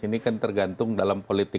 ini kan tergantung dalam politik